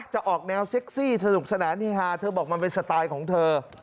จะออกแนวเซ็กซี่สนุกสนานเฮฮาเธอบอกมันเป็นสไตล์ของเธอ